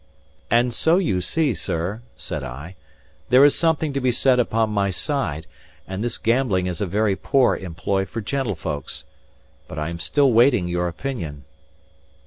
"And so you see, sir," said I, "there is something to be said upon my side; and this gambling is a very poor employ for gentlefolks. But I am still waiting your opinion."